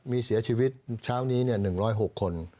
มีเสียชีวิตเช้านี้๑๐๖คน